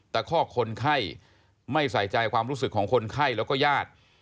คอกคนไข้ไม่ใส่ใจความรู้สึกของคนไข้แล้วก็ญาติ